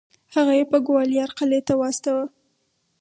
هغه یې ګوالیار قلعې ته واستوه.